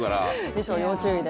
衣装要注意で。